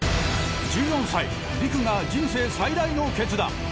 １４歳陸が人生最大の決断。